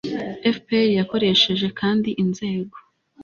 FPR yakoresheje kandi inzego